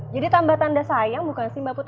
jadi tambah tanda sayang bukan sih mbak putri